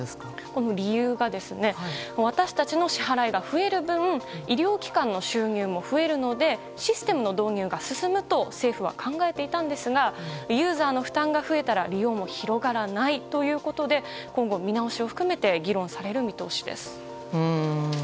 この理由が私たちの支払いが増える分医療機関の収入も増えるのでシステムの導入が進むと政府は考えていたんですがユーザーの負担が増えたら利用も広がらないということで今後、見直しを含めて議論される見通しです。